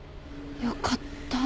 よかった。